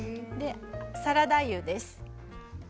サラダ油です。